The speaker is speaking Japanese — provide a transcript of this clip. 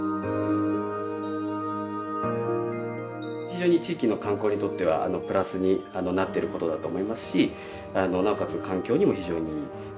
非常に地域の観光にとってはプラスになっていることだと思いますしなおかつ環境にも非常にいい。